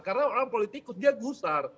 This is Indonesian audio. karena orang politikus dia gusar